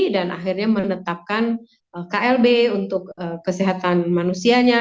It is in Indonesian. dan akhirnya menetapkan klb untuk kesehatan manusianya